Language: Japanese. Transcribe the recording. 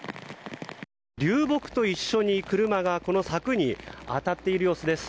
流木と一緒に車がこの柵に当たっている様子です。